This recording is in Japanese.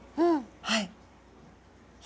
はい。